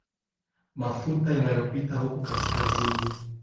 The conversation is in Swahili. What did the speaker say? mafuta inayopita huku kaskazini